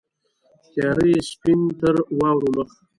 تیاره یې سپین تر واورو مخ